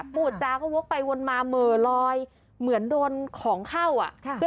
พูดจาก็วกไปวนมาเหม่อลอยเหมือนโดนของเข้าอ่ะ